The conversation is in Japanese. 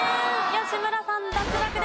吉村さん脱落です。